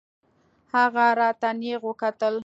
هغه راته نېغ وکتل.